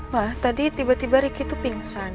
wah tadi tiba tiba riki tuh pingsan